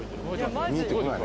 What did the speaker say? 見えてこない。